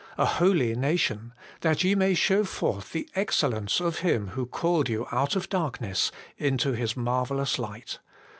A holy nation, that ye may show forth the excellences of Him who called you out of darkness into His marvellous light.'